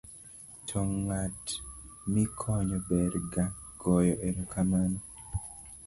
to ng'at mikonyo ber ga goyo erokamano